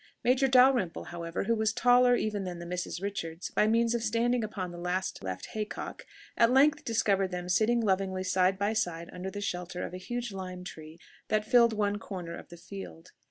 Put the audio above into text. Major Dalrymple, however, who was taller even than the Misses Richards, by means of standing upon the last left haycock, at length discovered them sitting lovingly side by side under the shelter of a huge lime tree that filled one corner of the field.